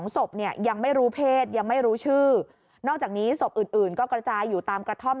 ศพเนี่ยยังไม่รู้เพศยังไม่รู้ชื่อนอกจากนี้ศพอื่นก็กระจายอยู่ตามกระท่อม